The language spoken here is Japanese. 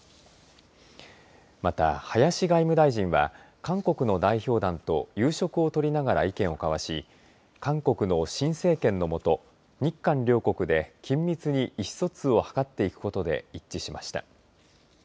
また、林外務大臣は韓国の代表団と夕食を取りながら意見を交わし韓国の新政権の下日韓両国で緊密に意思疎通を図っていくことで一致しました。